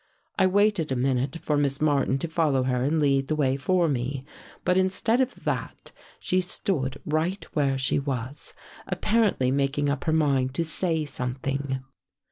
" I waited a minute for Miss Martin to follow her and lead the way for me. But instead of that, she stood right where she was, apparently making up her mind to say something.